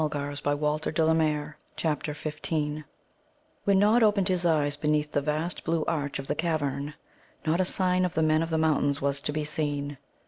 CHAPTER XV When Nod opened his eyes beneath the vast blue arch of the cavern, not a sign of the Men of the Mountains was to be seen.